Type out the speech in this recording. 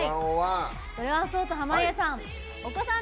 それはそうと濱家さん